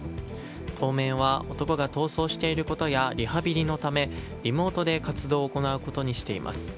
当面は、男が逃走していることやリハビリのため、リモートで活動を行うことにしています。